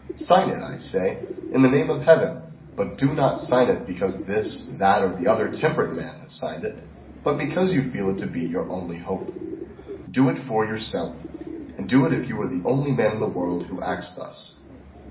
Sign it, I say, in the name of Heaven; but do not sign it because this, that, or the other temperate man has signed it, but because you feel it to be your only hope. Do it for yourself, and do it if you are the only man in the world who acts thus.